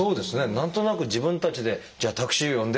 何となく自分たちで「じゃあタクシーを呼んで」